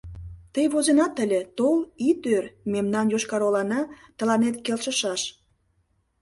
Тый возенат ыле: «Тол, ит ӧр, мемнан Йошкар-Олана тыланет келшышаш.